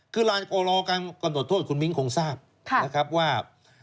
คือรอการกำหนดโทษคุณมิ้งคงทราบนะครับว่า